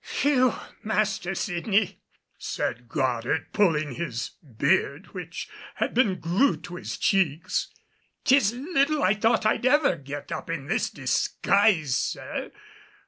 "Phew! Master Sydney," said Goddard, pulling his beard, which had been glued to his cheeks, "'tis little I thought I'd ever get up in this dis guise, sir.